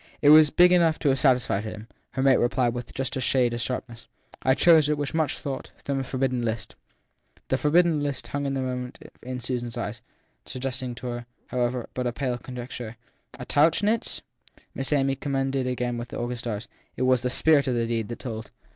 It was big enough to have satisfied him, her mate replied with just a shade of sharpness. I chose it, with much thought, from the forbidden list. The forbidden list hung a moment in Miss Susan s eyes, suggesting to her, however, but a pale conjecture. A Tauch nitz ? 278 THE THIRD PERSON Miss Amy communed again with the August stars. It was the spirit of the deed that told.